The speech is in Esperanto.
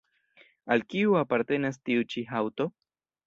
Al kiu apartenas tiu ĉi haŭto?